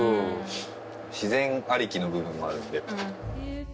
自然ありきの部分もあるので。